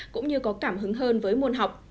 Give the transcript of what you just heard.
cũng như có cảm hứng hơn với môn học